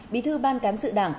bí thư ban cán sự đảng